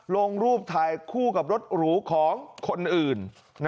ลงรูปถ่ายคู่กับรถหรูของคนอื่น